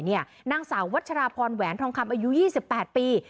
นางสาววัชราพรแหวนทองคำอายุ๒๘ปี